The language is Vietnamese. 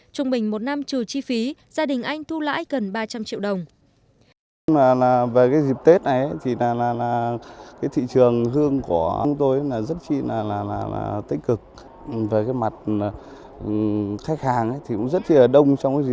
trung bình một năm trừ chi phí gia đình anh thu lãi gần ba trăm linh triệu đồng